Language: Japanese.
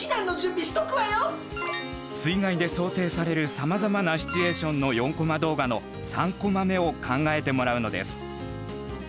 水害で想定されるさまざまなシチュエーションの４コマ動画の３コマ目を考えてもらうのです。